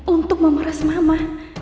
untuk memeras mama